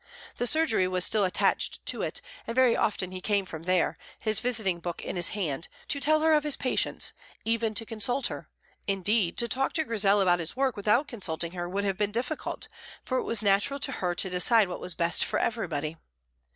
The surgery was still attached to it, and very often he came from there, his visiting book in his hand, to tell her of his patients, even to consult her; indeed, to talk to Grizel about his work without consulting her would have been difficult, for it was natural to her to decide what was best for everybody.